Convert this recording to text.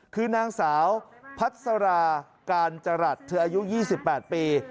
คือนางสาวพัฒรากาญจรัฐเธออายุยี่สิบแปดปี